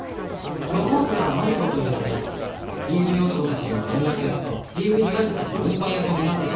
野放図ではマリコという名でＤＶ男たちへの連絡役とＤＶ被害者たちの運搬役を担ってたと聞いていますが。